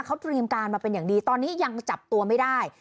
เขาเตรียมการมาเป็นอย่างดีตอนนี้ยังจับตัวไม่ได้